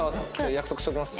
約束しときます？